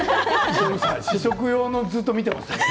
試食用のものじっと見ていますね。